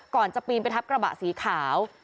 ก่อนจะปีนไปทับกระบะสีขาว